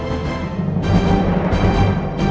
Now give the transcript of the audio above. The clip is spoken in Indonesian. masih ada yang nunggu